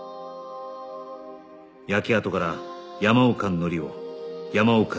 焼け跡から山岡紀夫山岡